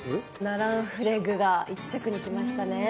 ナランフレグが１着にきましたね。